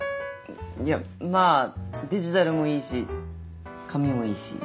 いやまあデジタルもいいし紙もいいし。